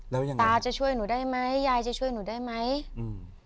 แล้วยังไงตาจะช่วยหนูได้ไหมยายจะช่วยหนูได้ไหมอืม